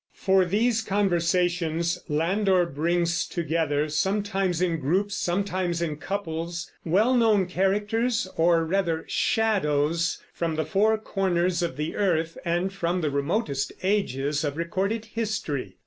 For these conversations Landor brings together, sometimes in groups, sometimes in couples, well known characters, or rather shadows, from the four corners of the earth and from the remotest ages of recorded history.